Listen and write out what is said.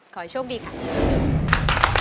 ขอให้โชคดีค่ะ